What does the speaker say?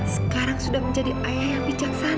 sekarang sudah menjadi ayah yang bijaksana